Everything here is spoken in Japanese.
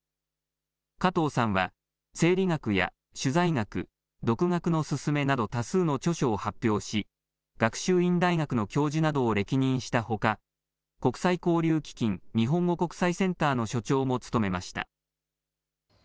加藤さんは整理学や取材学、独学のすすめなど多数の著書を発表し学習院大学の教授などを歴任したほか、国際交流基金日本語国際センターの所長も務めました。